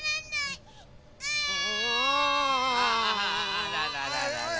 あああらららら。